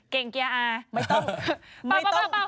เกียร์อาไม่ต้อง